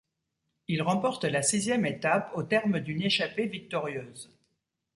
Il remporte la sixième étape, au terme d'une échappée victorieuse.